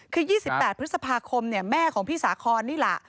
คือ๒๘พฤษภาคมเนี่ยแม่ของพี่สาขอนี่ล่ะ